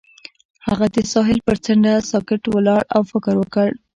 هغه د ساحل پر څنډه ساکت ولاړ او فکر وکړ.